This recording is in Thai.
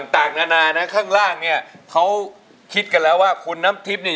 ต่างนานานะข้างล่างเนี่ยเขาคิดกันแล้วว่าคุณน้ำทิพย์เนี่ย